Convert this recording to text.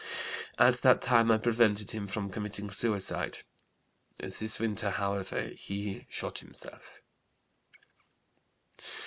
At that time I prevented him from committing suicide. This winter, however, he shot himself.